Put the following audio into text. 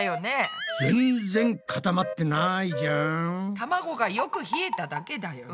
たまごがよく冷えただけだよね。